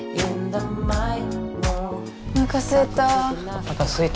おなかすいた。